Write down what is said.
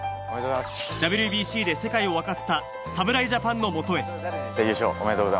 ＷＢＣで世界を沸かせた侍ジャパンのもとへ。